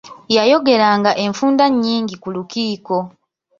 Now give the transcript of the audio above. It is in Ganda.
Yayogeranga enfunda nnyingi ku Lukiiko.